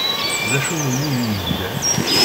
D acu n umihi yellan?